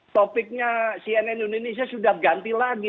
topiknya cnn indonesia sudah ganti lagi